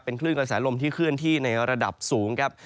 เป็นคลื่นกระแสลมฝ่ายที่คลื่นที่ในระดับสูงครับ